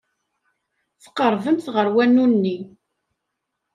Tqerrbemt ɣer wanu-nni.